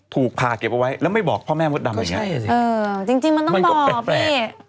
ถูกพาเก็บไว้แล้วไม่บอกพ่อแม่มดดำเออจริงจริงมันต้องบอกพี่